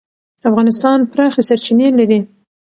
افغانستان پراخې سرچینې لري.